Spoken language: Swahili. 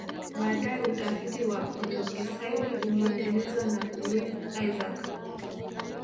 Baadae utafiti wa Olorgesailie uliendelezwa na Glynn Isaac